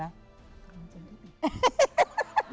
ตั้งใจตั้งนี้